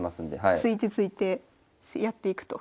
突いて突いてやっていくと。